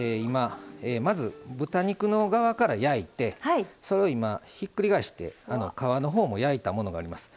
まず豚肉の側から焼いてそれをひっくり返して皮のほうも焼いたものがあります。